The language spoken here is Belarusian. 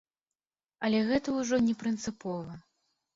Але гэта ўжо не прынцыпова.